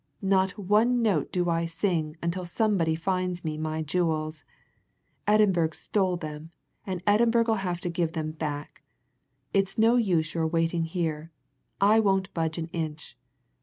Not one note do I sing until somebody finds me my jewels! Edinburgh's stole them, and Edinburgh'll have to give them back. It's no use your waiting here I won't budge an inch.